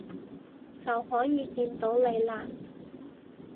就可以見到你喇